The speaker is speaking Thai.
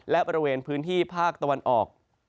และบริเวณพื้นที่ภาคตะวันออก